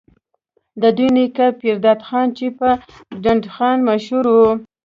د دوي نيکه پيرداد خان چې پۀ ډنډ خان مشهور وو،